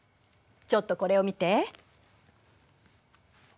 ちょっとこれを見て。